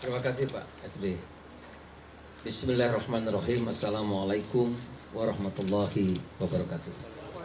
wa rahmatullahi wa barakatuh